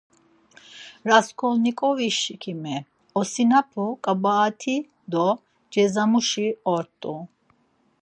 Rasǩolnikovişǩimi, osinapu ǩabaet̆i do cezamuşi ort̆u.